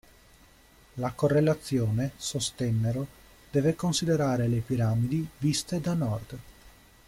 La correlazione, sostennero, deve considerare le piramidi viste da nord.